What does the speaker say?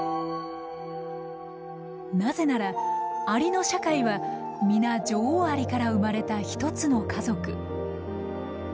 なぜならアリの社会は皆女王アリから生まれた一つの家族。